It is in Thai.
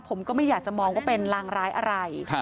ผมก็ไม่อยากจะมองว่าเป็นรางร้ายอะไร